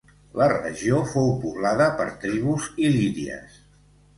La regió fou poblada per tribus il·líries.